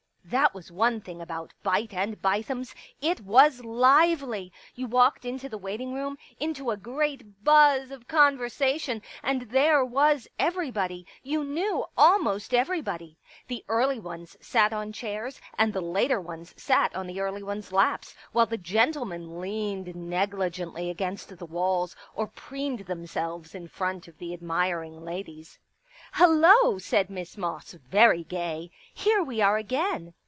1 That was one thing about Beit and Bithems ; it was lively. You walked into the waiting room, into a great buzz of conversation, and there was every body ; you knew almost everybody. The early ones sat on chairs and the later ones sat on the early ones* laps, while the gentlemen leaned negligently against the walls or preened themselves in front of the admiring ladies. " Hello," said Miss Moss, very gay. " Here we are again